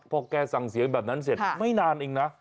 พอแกสั่งเสียงแบบนั้นเสร็จไม่นานเองนะ